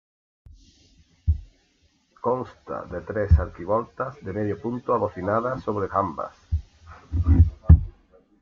Consta de tres arquivoltas de medio punto abocinadas sobre jambas.